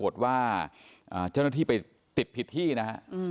ที่ไปติดผิดที่นะครับ